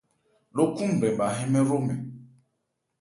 Ló khúúnbrɛn bha hɛ́n mɛ́n hromɛn.